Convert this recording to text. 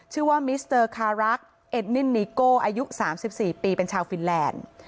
ชื่อว่ามิสเตอร์คารักษ์เอ็ดนินนิโก้อายุ๓๔ปีเป็นชาวฟินแลนด์